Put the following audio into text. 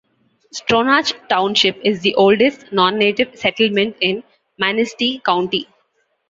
Stronach Township is the oldest non-native settlement in Manistee County.